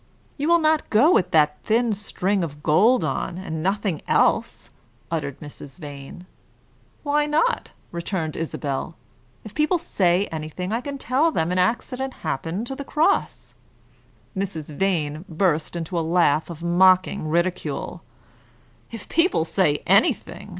"You will not go with that thin string of gold on, and nothing else!" uttered Mrs. Vane. "Why not?" returned Isabel. "If people say anything, I can tell them an accident happened to the cross." Mrs. Vane burst into a laugh of mocking ridicule. "'If people say anything!